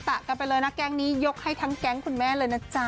นักร้องสาวอมตะกันไปเลยนะแกงนี้ยกให้ทั้งแกงคุณแม่เลยนะจ๊ะ